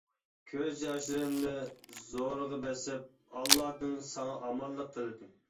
كۆز ياشلىرىمنى زورىغا بېسىپ ئاللادىن ساڭا ئامانلىق تىلىدىم.